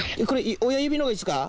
親指の方がいいっすか？